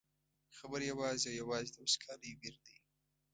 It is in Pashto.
خبره یوازې او یوازې د وچکالۍ ویر دی.